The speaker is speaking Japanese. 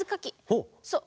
そう！